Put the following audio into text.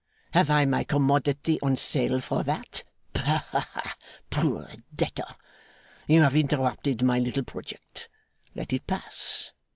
Have I my commodity on sale, for that? Bah, poor debtor! You have interrupted my little project. Let it pass.